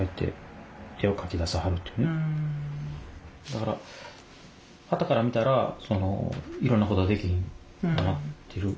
だからはたから見たらいろんなことができひんくなってる。